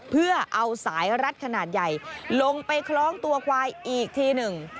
เพื่อเอาสายรัดขนาดใหญ่ลงไปคล้องตัวควายอีกทีหนึ่ง